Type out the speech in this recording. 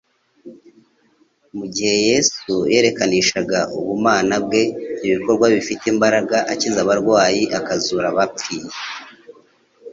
Mu gihe Yesu yerekanishaga ubumana bwe ibikorwa bifite imbaraga akiza abarwayi akazura abapfiye,